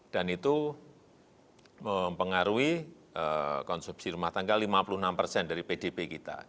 dan itu mempengaruhi konsumsi rumah tangga lima puluh enam persen dari pdp kita